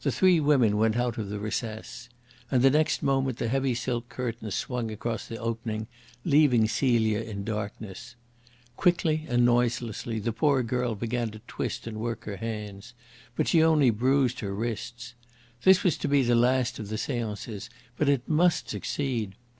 The three women went out of the recess. And the next moment the heavy silk curtains swung across the opening, leaving Celia in darkness. Quickly and noiselessly the poor girl began to twist and work her hands. But she only bruised her wrists. This was to be the last of the seances. But it must succeed!